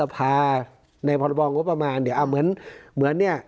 พรภาพรบองวงกฎประมาณเดียวอ้าวเหมือนเหมือนเนี้ย